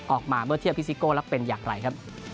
ออกมาเมื่อเทียบพี่ซิโก้แล้วเป็นอย่างไรครับ